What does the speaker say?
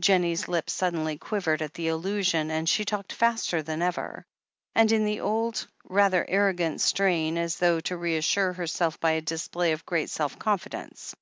Jennie's lip suddenly quivered at the allusion, and she talked faster than ever, and in the old, rather arro gant strain, as though to reassure herself by a display of great self confidence.